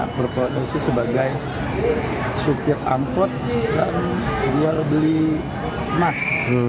berproduksi sebagai sopir angkot dan penjual beli emas